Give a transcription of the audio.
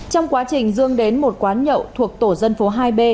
trong quá trình dương đến một quán nhậu thuộc tổ dân phố hai b